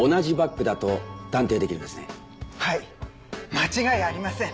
間違いありません。